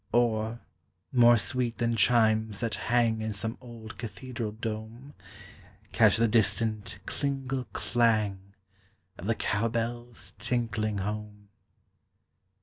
Or, more sweet than chimes that lian^ In some old cathedral dome, Catch the distant klingle klang Of the cow bells tinkling home!